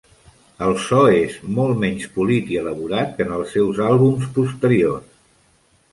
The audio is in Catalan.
El so és molt menys polit i elaborat que en els seus àlbums posteriors.